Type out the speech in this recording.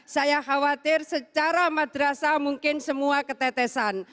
saya khawatir secara madrasah mungkin semua ketetesan